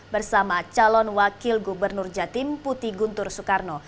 bersama calon wakil gubernur jatim putih guntur soekarno